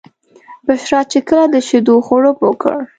بشرا چې کله د شیدو غوړپ وکړ.